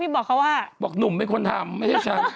บอกว่านุ่มไม่ควรทำ